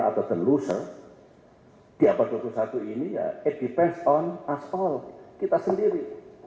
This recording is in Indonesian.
atau the loser di abad dua puluh satu ini it depends on us all kita sendiri